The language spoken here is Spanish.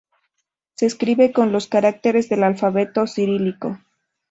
Se escribe con los caracteres del alfabeto cirílico.